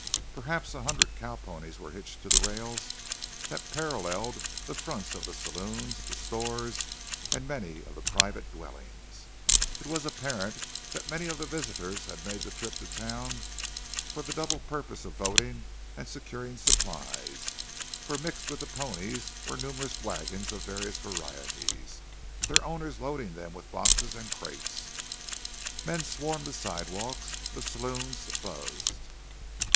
Perhaps a hundred cowponies were hitched to the rails that paralleled the fronts of the saloons, the stores, and many of the private dwellings. It was apparent that many of the visitors had made the trip to town for the double purpose of voting and securing supplies, for mixed with the ponies were numerous wagons of various varieties, their owners loading them with boxes and crates. Men swarmed the sidewalks; the saloons buzzed.